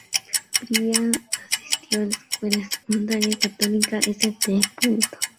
Bryan asistió a la Escuela Secundaria Católica St.